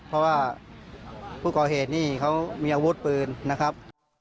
เพราะว่าผู้ก่อเหตุนี่เขามีอาวุธปืนนะครับ